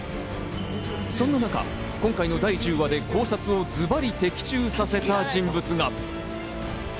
そんな中、今回の第１０話で考察をズバリ的中させた人物が。